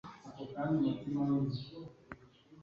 imbere mu rukundo